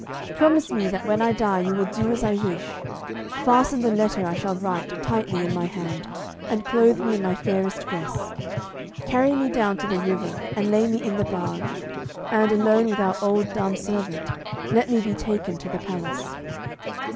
'Promise me that when I die you will do as I wish. Fasten the letter I shall write tightly in my hand, and clothe me in my fairest dress. Carry me down to the river and lay me in the barge, and, alone with our old dumb servant, let me be taken to the palace.'